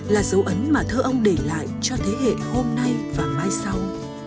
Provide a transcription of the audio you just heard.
là dấu ấn mà thơ ông để lại cho thế hệ hôm nay và mai sau